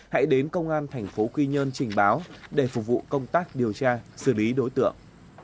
hãy đến công an thành phố quy nhơn trình báo để phục vụ công tác điều tra xử lý đối tượng